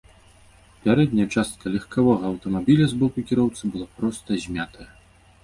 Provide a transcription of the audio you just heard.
Пярэдняя частка легкавога аўтамабіля з боку кіроўцы была проста змятая.